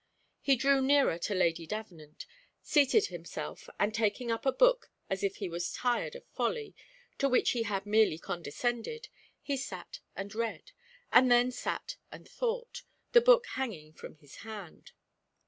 He drew nearer to Lady Davenant, seated himself, and taking up a book as if he was tired of folly, to which he had merely condescended, he sat and read, and then sat and thought, the book hanging from his hand.